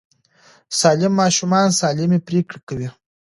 سالم ماشومان سالمې پرېکړې کوي.